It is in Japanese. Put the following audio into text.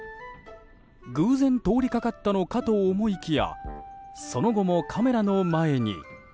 偶然通りかかったのかと思いきやその後もカメラの前に。